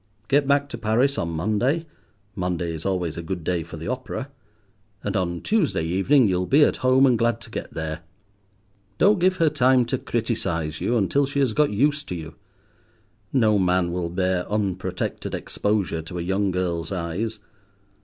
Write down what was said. Get back to Paris on Monday (Monday is always a good day for the opera), and on Tuesday evening you will be at home, and glad to get there. Don't give her time to criticize you until she has got used to you. No man will bear unprotected exposure to a young girl's eyes.